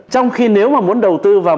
trong khi nếu mà muốn đầu tư vào